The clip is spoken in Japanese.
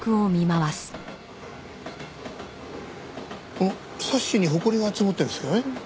あっサッシに埃が積もってるんですけどね